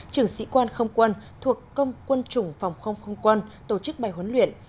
trưởng sĩ quan không quân thuộc công quân chủng phòng không không quân tổ chức bài huấn luyện